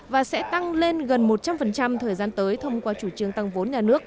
và sẽ tăng lên gần một trăm linh thời gian tới thông qua chủ trương tăng vốn nhà nước